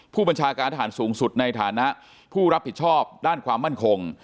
ผู้บัญชาการทหารสูงสุดในฐานะผู้รับผิดชอบด้านความมั่นคง